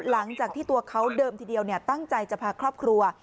หลังจากที่ตัวเขาเดิมทีเดียวตั้งใจจะพาครอบครัว